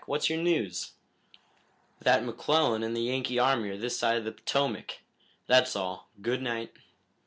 What's your news?" "That McClellan and the Yankee army are this side of the Potomac. That's all. Good night."